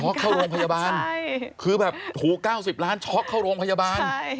เข้าโรงพยาบาลคือแบบถูก๙๐ล้านช็อกเข้าโรงพยาบาล